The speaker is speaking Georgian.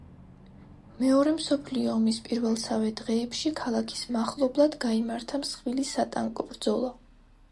მეორე მსოფლიო ომის პირველსავე დღეებში ქალაქის მახლობლად გაიმართა მსხვილი სატანკო ბრძოლა.